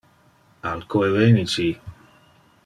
Alco eveni ci.